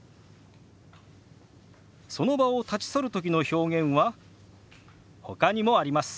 その場を立ち去るときの表現はほかにもあります。